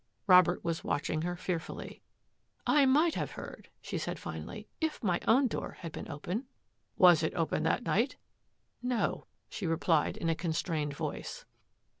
Robert was watching her fearfully. " I might have heard," she said finally, " if my own door had been open." " Was it open that night? "" No," she replied in a constrained voice.